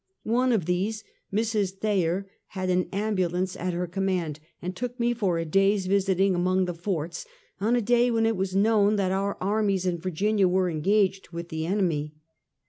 One of these, Mrs. Thayer, had an ambulance at her command, and took me for a day's visiting among the forts, on a day when it was known that our armies in Yirginia were engaged with the enemy.